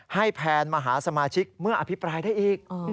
ให้แผนมหาสมาชิกเมื่ออภิปรายได้อีก